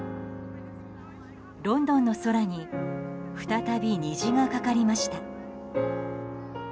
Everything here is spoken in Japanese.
ロンドンの空に再び、虹が架かりました。